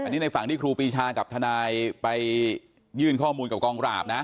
อันนี้ในฝั่งที่ครูปีชากับทนายไปยื่นข้อมูลกับกองปราบนะ